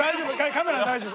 カメラ大丈夫。